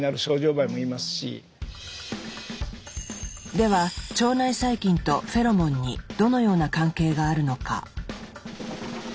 ⁉では腸内細菌とフェロモンにどのような関係があるのか？